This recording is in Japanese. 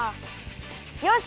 よし！